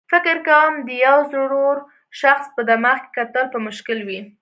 فکر کوم د یو زړور شخص په دماغ کې کتل به مشکل وي.